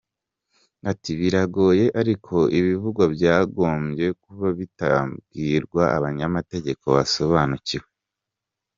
Ati biragoye ariko ibivugwa byagombye kuba bitabwirwa abanyamategeko basobanukiwe.